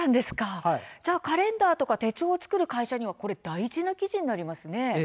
カレンダーとか手帳を作る会社には大事な記事になりますね。